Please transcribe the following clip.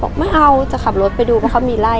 ไม่เอาจะขับรถไปดูเพราะเขามีไล่